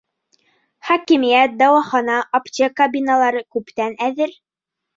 Хакимиәт, дауахана, аптека биналары күптән әҙер.